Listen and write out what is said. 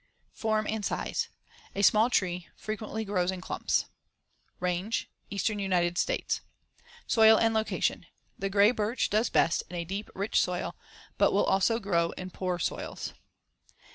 Form and size: A small tree. Frequently grows in clumps. Range: Eastern United States. Soil and location: The gray birch does best in a deep, rich soil, but will also grow in poor soils.